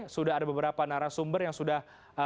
sudah ada beberapa narasumber yang sudah